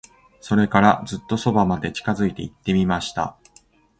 それから、ずっと側まで近づいて行ってみました。